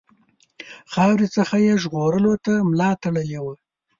خاورې څخه یې ژغورلو ته ملا تړلې وه.